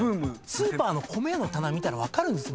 スーパーの米の棚見たら分かるんですよ。